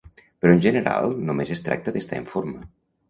Però en general només es tracta d'estar en forma.